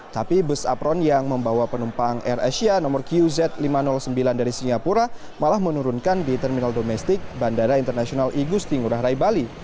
tapi bus apron yang membawa penumpang air asia nomor qz lima ratus sembilan dari singapura malah menurunkan di terminal domestik bandara internasional igusti ngurah rai bali